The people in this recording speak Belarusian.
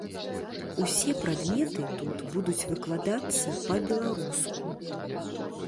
Усе прадметы тут будуць выкладацца па-беларуску.